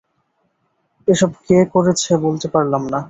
এসব কে করেছে বলতে পারলাম না।